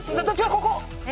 ここ！